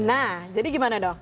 nah jadi gimana dong